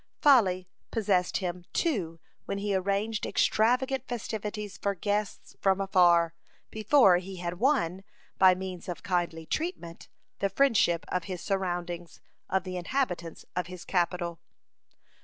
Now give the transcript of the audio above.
(49) Folly possessed him, too, when he arranged extravagant festivities for guests from afar, before he had won, by means of kindly treatment, the friendship of his surroundings, of the inhabitants of his capital.